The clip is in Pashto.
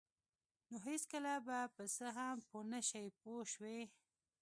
نو هېڅکله به په څه هم پوه نشئ پوه شوې!.